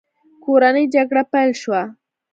کورنۍ جګړه پیل شوه.